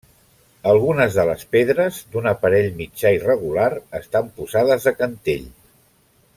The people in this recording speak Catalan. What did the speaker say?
Algunes de les pedres, d'un aparell mitjà irregular, estan posades de cantell.